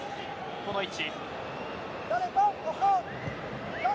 この位置。